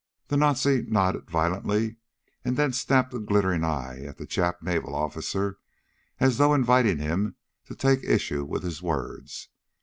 The Nazi nodded violently, and then snapped a glittering eye at the Jap naval officer as though inviting him to take issue with his words.